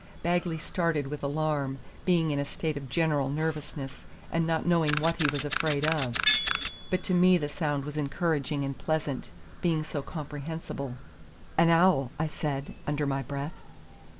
Bagley started with alarm, being in a state of general nervousness, and not knowing what he was afraid of. But to me the sound was encouraging and pleasant, being so comprehensible. "An owl," I said, under my breath.